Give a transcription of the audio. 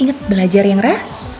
ingat belajar yang rah